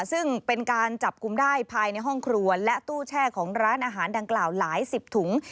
ซึ่งเป็นการจับกลุ่มได้ภายในห้องครัวและตู้แช่ของร้านอาหารดังกล่าวหลายสิบถุง